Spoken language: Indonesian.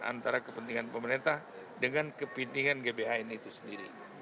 antara kepentingan pemerintah dengan kepentingan gbhn itu sendiri